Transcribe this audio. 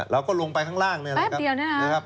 เราก็ลงไปข้างล่างนี้ครับ